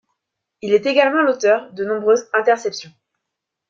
Il est également l'auteur de nombreuses interceptions.